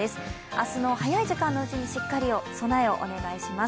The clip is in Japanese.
明日の早い時間のうちに、しっかり備えをお願いします。